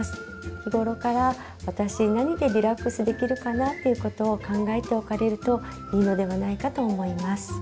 日頃から私何でリラックスできるかなっていうことを考えておかれるといいのではないかと思います。